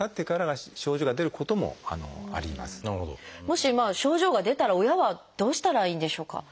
もし症状が出たら親はどうしたらいいんでしょうか？